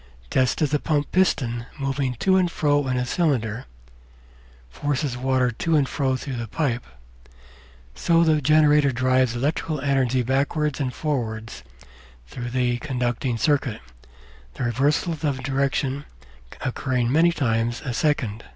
Just as a pump piston, moving to and fro in a cylinder, forces water to and fro through the pipe, so the generator drives electrical energy backwards and forwards through the conducting circuit, the reversals of direction occurring many times a second.